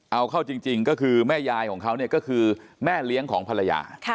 เอาเข้าจริงก็คือแม่ยายของเขาเนี่ยก็คือแม่เลี้ยงของภรรยา